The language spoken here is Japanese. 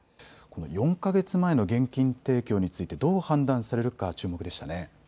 ４か月前の現金提供についてどう判断されるか注目でしたね。